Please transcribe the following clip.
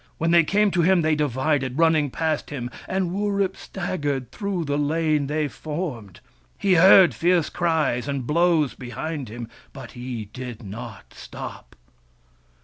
When they came to him, they divided, running past him, and Wurip staggered through the lane they formed. He heard fierce cries and blows behind him, but he did not stop.